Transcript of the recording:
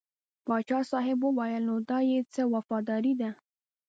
پاچا صاحب وویل نو دا یې څه وفاداري ده.